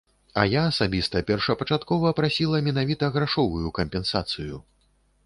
А я асабіста першапачаткова прасіла менавіта грашовую кампенсацыю.